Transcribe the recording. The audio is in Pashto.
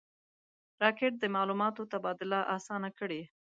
راکټ د معلوماتو تبادله آسانه کړې